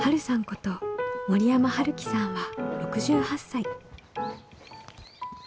こと森山春樹さんは６８歳。